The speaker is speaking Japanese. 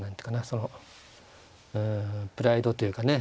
そのプライドというかね